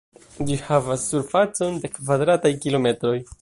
Ĝi havas surfacon de kvadrataj kilometroj.